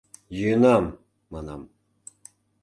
— Йӱынам, — манам.